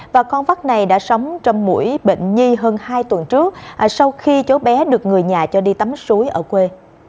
và con vắt này đã sống trong mũi bệnh nhi hơn hai tuần trước sau khi cháu bé được người nhà cho đi tắm suối ở quê